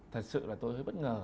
thật sự là tôi hơi bất ngờ